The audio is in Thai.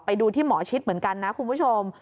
ไปดูที่หมอชิดเหมือนกันนะคุณผู้ชม